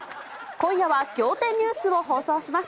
今夜は仰天ニュースを放送します。